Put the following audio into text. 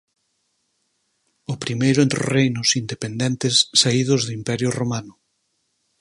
O primeiro entre os reinos independentes saídos do Imperio Romano.